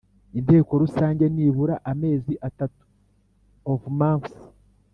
Inteko rusange nibura amezi atatu of months